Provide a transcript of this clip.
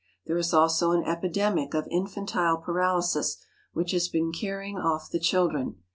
There is also an epidemic of infantile paralysis, which has been carrying off the children.